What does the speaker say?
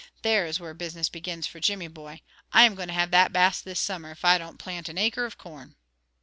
There is where business begins for Jimmy boy. I am going to have that Bass this summer, if I don't plant an acre of corn."